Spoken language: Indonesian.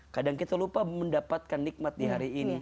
kadang kita lupa mendapatkan nikmat di hari ini